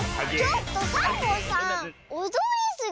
ちょっとサボさんおどりすぎ！